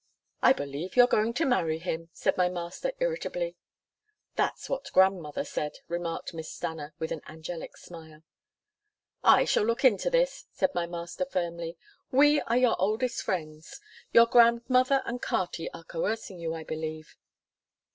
"I believe you're going to marry him," said my master irritably. "That's what Grandmother says," remarked Miss Stanna with an angelic smile. "I shall look into this," said my master firmly. "We are your oldest friends. Your Grandmother and Carty are coercing you, I believe."